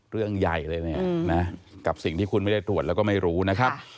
เรื่องใหญ่เลยเนี่ยนะกับสิ่งที่คุณไม่ได้ตรวจแล้วก็ไม่รู้นะครับ